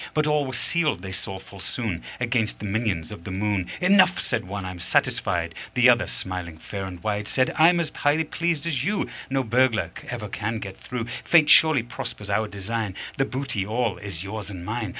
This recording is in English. But all were sealed, they saw full soon, Against the minions of the moon. "Enough," said one: "I'm satisfied." The other, smiling fair and wide, Said: "I'm as highly pleased as you: No burglar ever can get through. Fate surely prospers our design The booty all is yours and mine."